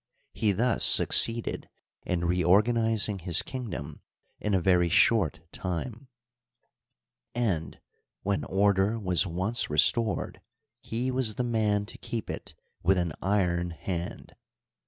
He thus succeeded in reorganizing his kingdom in a very short time, and, when order was once restored, he was the man to keep it with an iron hand.